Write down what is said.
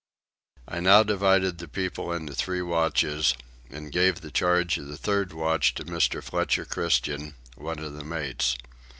I now divided the people into three watches, and gave the charge of the third watch to Mr. Fletcher Christian, one of the mates.